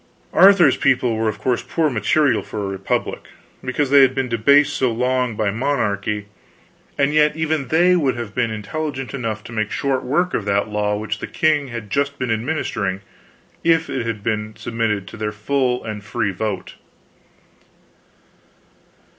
Arthur's people were of course poor material for a republic, because they had been debased so long by monarchy; and yet even they would have been intelligent enough to make short work of that law which the king had just been administering if it had been submitted to their full and free vote.